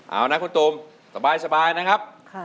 เอานะคุณตูมสบายนะครับ